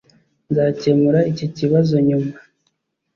Nzakemura iki kibazo nyuma..